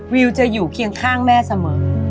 วิวจะอยู่เคียงข้างแม่เสมอ